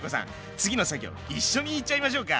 次の作業一緒に言っちゃいましょうか？